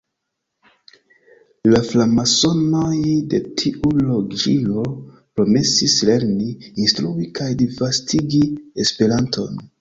La framasonoj de tiu loĝio promesis lerni, instrui kaj disvastigi Esperanton.